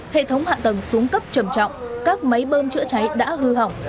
hệ thống hạ tầng xuống cấp trầm trọng các máy bơm chữa cháy đã hư hỏng